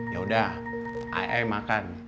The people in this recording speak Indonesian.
ya udah ayah makan